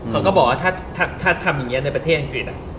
เขาก็บอกว่าถ้าทำอย่างนี้ในประเทศอังกฤษ